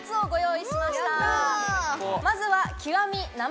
まずは。